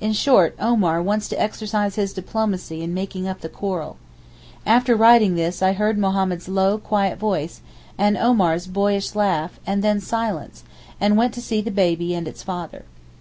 In short, Omar wants to exercise his diplomacy in making up the quarrel. After writing this I heard Mohammed's low, quiet voice, and Omar's boyish laugh, and then silence, and went to see the baby and its father.